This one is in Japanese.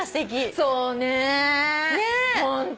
そうねホント。